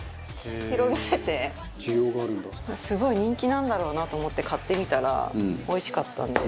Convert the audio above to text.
すごい人気なんだろうなと思って買ってみたらおいしかったんで。